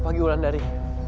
pagi ulan dari